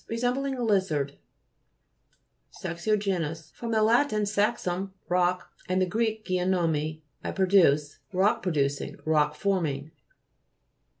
Resembling a lizard. SAXI'GENOUS fr. lat. saxum, rock, and gr. geinomai, I produce. Rock producing ; rock forming.